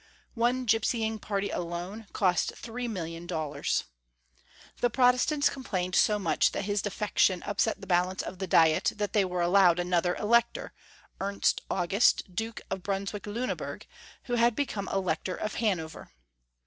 One gypsying party alone cost 3,000,000 dollars 1 The Protestants complained so much that his de fection upset the balance of the diet that they were allowed another Elector, Ernst August, Duke of Brunswick Luneburg, who had become Elector of Hanover.